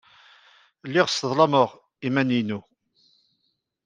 Lliɣ sseḍlameɣ iman-inu.